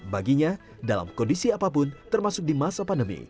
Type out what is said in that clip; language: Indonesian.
baginya dalam kondisi apapun termasuk di masa pandemi